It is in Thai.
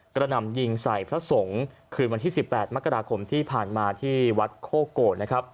หนำยิงใส่พระสงฆ์คืนวันที่๑๘มกราคมที่ผ่านมาที่วัดโคโกนะครับ